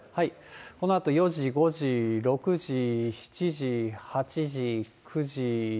このあと４時、５時、６時、７時、８時、９時、１０時。